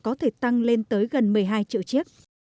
có thể tăng lên tới gần một mươi hai triệu chiếc